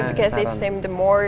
ya karena itu lebih mudah